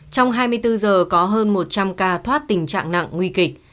trong hai mươi bốn giờ có hơn một trăm linh ca thoát tình trạng nặng nguy kịch